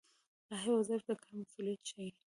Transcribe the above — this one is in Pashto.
لایحه وظایف د کار مسوولیت ښيي